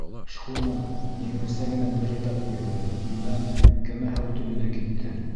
Шхуна еңелсә генә дерелдәп ҡуйҙы, тимәк, кәмә һыу төбөнә китте.